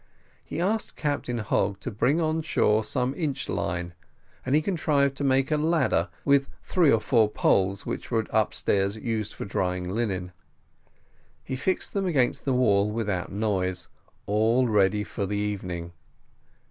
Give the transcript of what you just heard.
He asked Captain Hogg to bring on shore some inch line, and he contrived to make a ladder with three or four poles which were upstairs, used for drying linen. He fixed them against the wall without noise, all ready for the evening.